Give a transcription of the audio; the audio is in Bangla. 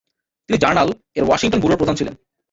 তিনি "জার্নাল" এর ওয়াশিংটন ব্যুরোর প্রধান ছিলেন।